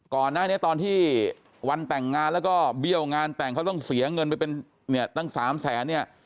ก่อนหน้านี้ตอนที่วันแต่งงานแล้วก็เบี้ยวงานแต่งเขาต้องเสียเงินไปเป็นเนี่ยตั้ง๓แสนเนี่ย